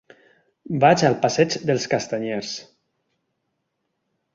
Vaig al passeig dels Castanyers.